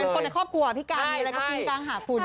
เป็นคนในครอบครัวพี่การมีอะไรก็กินกางหาผุ่น